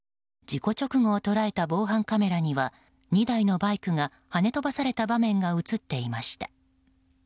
事故直後を捉えた防犯カメラには２台のバイクが跳ね飛ばされた場面が映っていました。